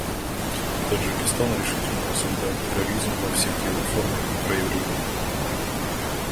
Таджикистан решительно осуждает терроризм во всех его формах и проявлениях.